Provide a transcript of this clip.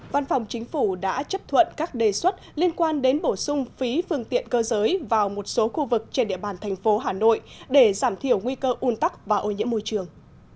văn phòng chính phủ đã chấp thuận các đề xuất liên quan đến bổ sung phí phương tiện cơ giới vào một số khu vực trên địa bàn thành phố hà nội để giảm thiểu nguy cơ un tắc và ô nhiễm môi trường